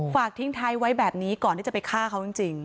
ฝากทิ้งท้ายไว้แบบนี้ก่อนที่จะไปฆ่าเขาจริง